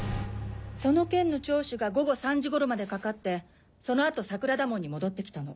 その件の聴取が午後３時ごろまでかかってその後桜田門に戻ってきたの。